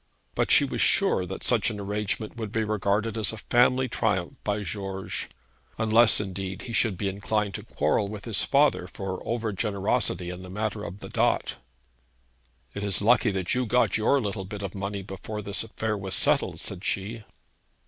But she was sure that such an arrangement would be regarded as a family triumph by George, unless, indeed, he should be inclined to quarrel with his father for over generosity in that matter of the dot. 'It is lucky that you got your little bit of money before this affair was settled,' said she.